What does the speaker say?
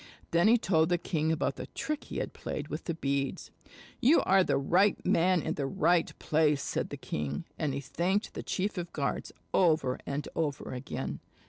Then he told the king about the trick he had played with the beads. "You are the right man in the right place," said the king, and he thanked the chief of the guards over and over again.